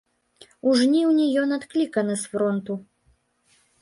У жніўні ён адкліканы з фронту.